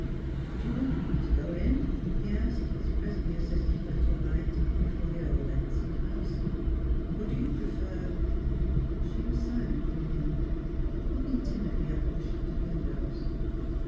..." Do you want me to go in? " he asked, as he presently assisted her to alight before the old Eg gleston house, " or do you prefer ?" She was silent for a moment, looking timidly up at the shuttered windows.